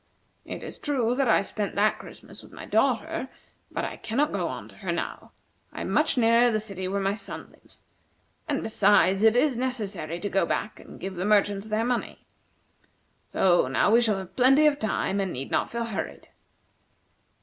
It is true that I spent that Christmas with my daughter, but I cannot go on to her now. I am much nearer the city where my son lives; and, besides, it is necessary to go back, and give the merchants their money. So now we shall have plenty of time, and need not feel hurried."